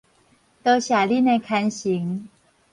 多謝恁的牽成